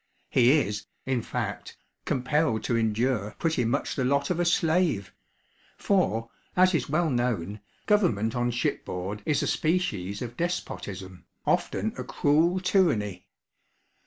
He is, in fact, compelled to endure pretty much the lot of a slave; for, as is well known, government on shipboard is a species of despotism, often a cruel tyranny.